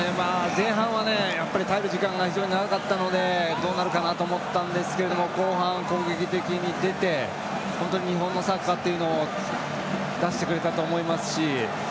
前半は耐える時間が非常に長かったのでどうなるかなと思ったんですが後半、攻撃的に出て日本のサッカーを出してくれたと思いますし。